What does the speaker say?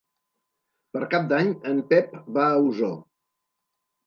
Per Cap d'Any en Pep va a Osor.